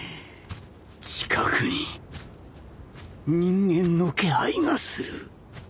近くに人間の気配がする